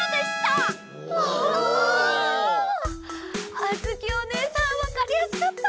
あづきおねえさんわかりやすかった！